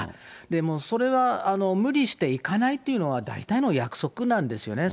でも、それは無理して行かないっていうのが、大体の約束なんですよね。